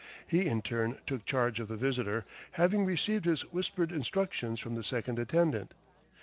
He in turn took charge of the visitor, having received his whispered instructions from the second attendant.